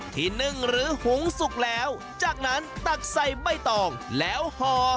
นึ่งหรือหุงสุกแล้วจากนั้นตักใส่ใบตองแล้วห่อ